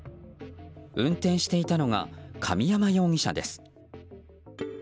運転していたのが神山容疑者です。